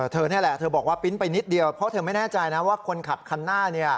เธอนี่แหละเธอบอกว่าปริ้นต์ไปนิดเดียวเพราะเธอไม่แน่ใจนะว่าคนขับคันหน้า